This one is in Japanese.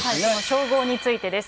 称号についてです。